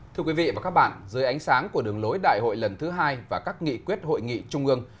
thưa quý vị và các bạn dưới ánh sáng của đường lối đại hội lần thứ hai và các nghị quyết hội nghị trung ương